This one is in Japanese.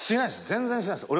全然しないです